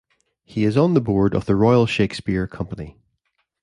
He is on the Board of the Royal Shakespeare Company.